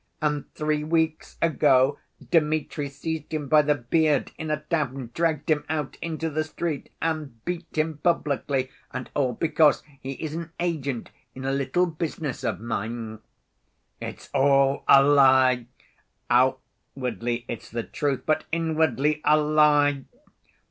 And three weeks ago, Dmitri seized him by the beard in a tavern, dragged him out into the street and beat him publicly, and all because he is an agent in a little business of mine." "It's all a lie! Outwardly it's the truth, but inwardly a lie!"